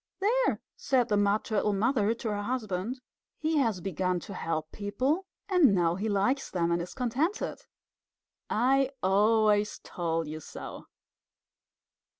"There!" said the Mud Turtle Mother to her husband. "He has begun to help people, and now he likes them, and is contented, I always told you so!"